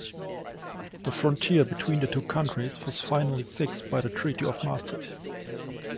The frontier between the two countries was finally fixed by the Treaty of Maastricht.